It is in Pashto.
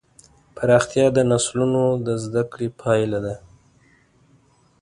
پراختیا د نسلونو د زدهکړې پایله ده.